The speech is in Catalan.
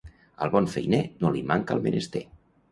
Al bon feiner no li manca el menester.